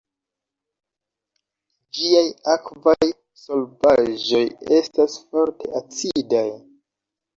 Ĝiaj akvaj solvaĵoj estas forte acidaj.